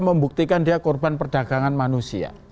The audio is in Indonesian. membuktikan dia korban perdagangan manusia